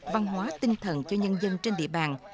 văn hóa tinh thần cho nhân dân trên địa bàn